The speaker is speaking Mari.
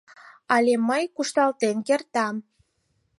Але мый кушталтен кертам...